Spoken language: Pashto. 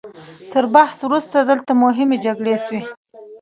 تر بعثت وروسته دلته مهمې جګړې شوي.